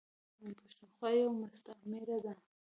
پښتونخوا یوه مستعمیره ده .